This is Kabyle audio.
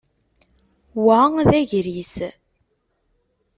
Wa d agris.